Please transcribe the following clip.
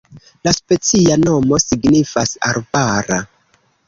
La specia nomo signifas arbara.